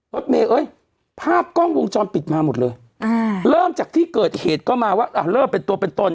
รถเมย์เอ้ยภาพกล้องวงจรปิดมาหมดเลยอ่าเริ่มจากที่เกิดเหตุก็มาว่าอ่ะเริ่มเป็นตัวเป็นตน